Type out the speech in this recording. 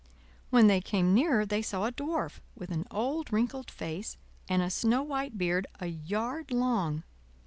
When they came nearer they saw a Dwarf, with an old wrinkled face and a snow white beard a yard long.